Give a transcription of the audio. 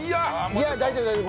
いや大丈夫大丈夫。